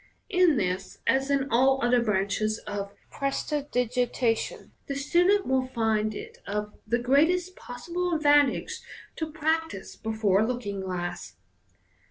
In this, as in all othei branches of prestidigita tion, the student will find it of the greatest possible advantage to practise be fore a looking glass.